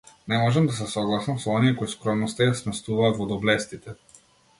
Не можам да се согласам со оние кои скромноста ја сместуваат во доблестите.